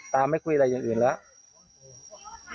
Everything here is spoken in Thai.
ไม่คุยอะไรอย่างอื่นแล้ว